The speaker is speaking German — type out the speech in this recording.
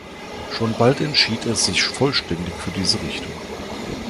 Schon bald entschied er sich vollständig für diese Richtung.